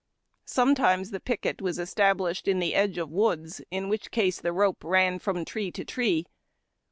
Sometimes the picket was established in the edge of woods, in which case the rope ran from tree to tree.